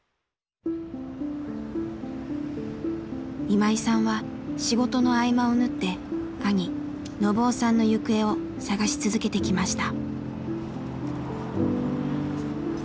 今井さんは仕事の合間を縫って兄信雄さんの行方を探し続けてきました。